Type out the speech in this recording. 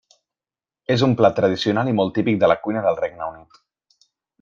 És un plat tradicional i molt típic de la cuina del Regne Unit.